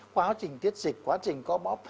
quá trình tiết dịch quá trình có bóp